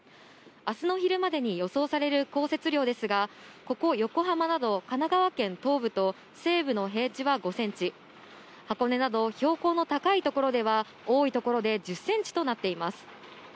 あすの昼までに予想される降雪量ですが、ここ横浜など、神奈川県東部と西部の平地は５センチ、箱根など、標高の高い所では、多い所で１０センチとなっています。